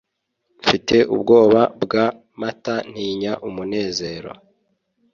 Mfite ubwoba bwa Mata ntinya umunezero